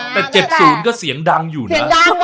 แต่๗๐ก็เสียงดังอยู่นะ